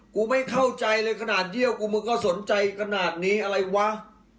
กูไม่เข้าใจเลยขนาดเดียวกูมึงก็สนใจขนาดนี้อะไรวะ